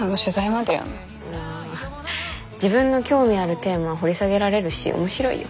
まあ自分の興味あるテーマ掘り下げられるし面白いよ。